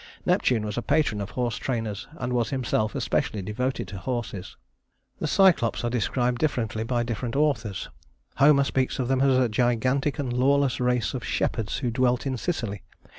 Neptune was a patron of horse trainers, and was himself especially devoted to horses. The Cyclops are described differently by different authors. Homer speaks of them as a gigantic and lawless race of shepherds who dwelt in Sicily.